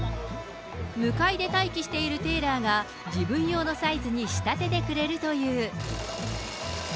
向かいで待機しているテイラーが自分用のサイズに仕立ててくれるという。